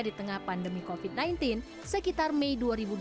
di tengah pandemi covid sembilan belas sekitar mei dua ribu dua puluh